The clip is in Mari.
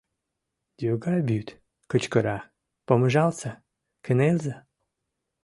Йога вӱд, кычкыра: «Помыжалтса, кынелза!